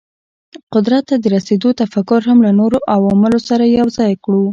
قدرت ته د رسېدو تفکر هم له نورو عواملو سره یو ځای کړو.